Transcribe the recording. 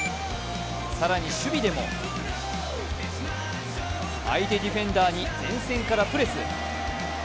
更に守備でも相手ディフェンダーに前線からプレス。